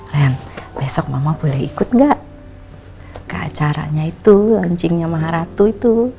ren besok mama boleh ikut gak ke acaranya itu launchingnya sama ratu itu